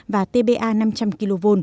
và tpa năm trăm linh kv